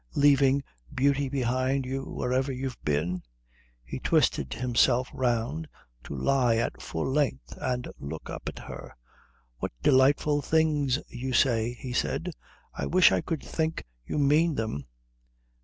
Leaving beauty behind you wherever you've been?" He twisted himself round to lie at full length and look up at her. "What delightful things you say!" he said. "I wish I could think you mean them."